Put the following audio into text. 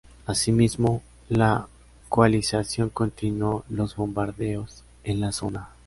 Asimismo, la coalición continuó los bombardeos en la zona.